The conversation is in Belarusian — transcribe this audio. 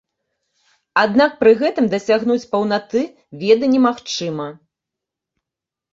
Аднак пры гэтым дасягнуць паўнаты веды немагчыма.